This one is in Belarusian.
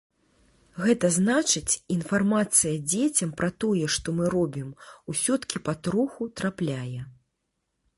Гэта значыць, інфармацыя дзецям пра тое, што мы робім усё-ткі патроху трапляе.